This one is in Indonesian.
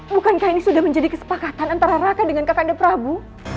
bukankah ini sudah menjadi kesepakatan antara raka dengan kakak anda prabu